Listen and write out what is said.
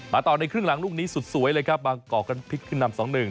ต่อในครึ่งหลังลูกนี้สุดสวยเลยครับบางกอกกันพลิกขึ้นนำ๒๑